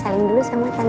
selamat malam marena